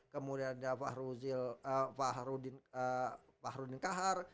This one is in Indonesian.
kemudian ada fahrudin kahar